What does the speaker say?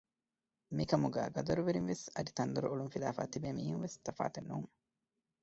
މިކަމުގައި ގަދަރުވެރިން ވެސް އަދި ތަންދޮރު އޮޅުން ފިލާފައި ތިބޭ މީހުން ވެސް ތަފާތެއް ނޫން